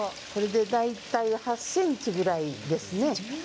大体８ｃｍぐらいですね。